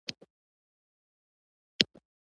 د دې حقوقو احقاق د افغانستان نظام له خطر څخه ژغوري.